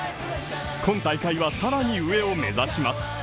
今大会は更に上を目指します。